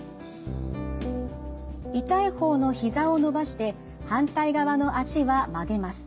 痛い方のひざを伸ばして反対側の脚は曲げます。